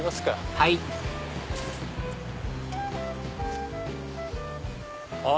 はいあっ